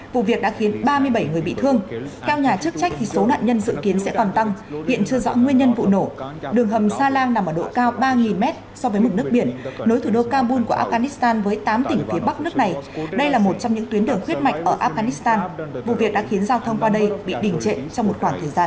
vụ việc đã khiến ba mươi bảy người bị thương theo nhà chức trách số nạn nhân dự kiến sẽ còn tăng hiện chưa rõ nguyên nhân vụ nổ đường hầm sa lan nằm ở độ cao ba m so với mực nước biển nối thủ đô kabul của afghanistan với tám tỉnh phía bắc nước này đây là một trong những tuyến đường huyết mạch ở afghanistan vụ việc đã khiến giao thông qua đây bị đỉnh trệ trong một khoảng thời gian dài